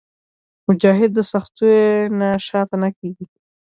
مجاهد د سختیو نه شاته نه کېږي.